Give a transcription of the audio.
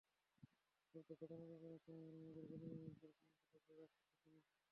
খুব দুঃখজনক ব্যাপার হচ্ছে, আমরা আমাদের গুণী মানুষদের গুণগুলো ধরে রাখতে শিখিনি।